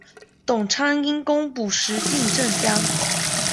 董昌因功补石镜镇将。